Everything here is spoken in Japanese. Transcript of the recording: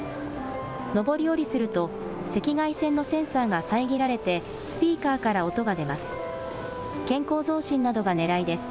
上り下りすると、赤外線のセンサーが遮られて、スピーカーから音が出ます。